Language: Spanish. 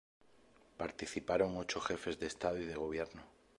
Participaron ocho jefes de Estado y de gobierno.